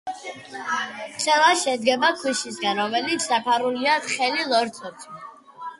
ცელა შედგება ქვიშისგან, რომელიც დაფარულია თხელი ლორწოთი.